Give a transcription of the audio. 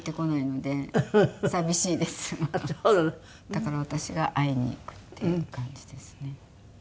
だから私が会いに行くっていう感じですね。